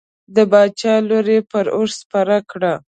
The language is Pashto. د باچا لور یې پر اوښ سپره کړه.